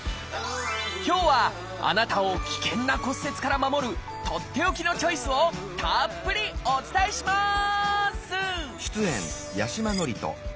今日はあなたを危険な骨折から守るとっておきのチョイスをたっぷりお伝えします！